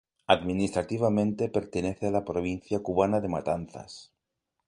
Administrativamente pertenece a la provincia cubana de Matanzas.